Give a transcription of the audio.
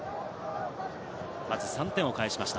まず３点を返しました。